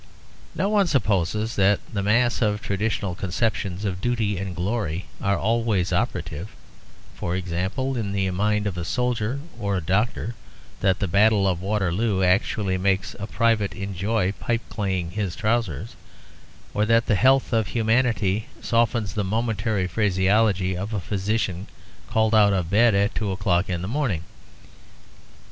No one supposes that the mass of traditional conceptions of duty and glory are always operative, for example, in the mind of a soldier or a doctor; that the Battle of Waterloo actually makes a private enjoy pipeclaying his trousers, or that the 'health of humanity' softens the momentary phraseology of a physician called out of bed at two o'clock in the morning.